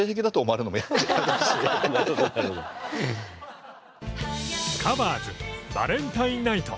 「ＴｈｅＣｏｖｅｒｓバレンタイン・ナイト！」。